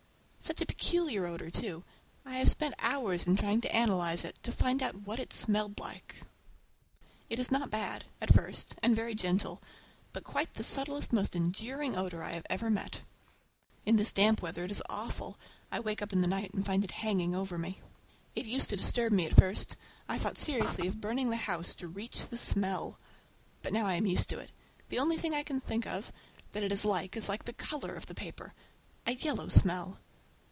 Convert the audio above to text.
Such a peculiar odor, too! I have spent hours in trying to analyze it, to find what it smelled like. It is not bad—at first, and very gentle, but quite the subtlest, most enduring odor I ever met. In this damp weather it is awful. I wake up in the night and find it hanging over me. It used to disturb me at first. I thought seriously of burning the house—to reach the smell. But now I am used to it. The only thing I can think of that it is like is the color of the paper! A yellow smell.